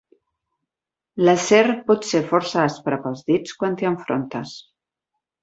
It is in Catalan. L'acer pot ser força aspre per als dits quan t'hi enfrontes.